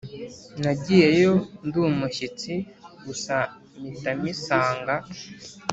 nagiyeyo nd’umushyitsi gusa mita misanga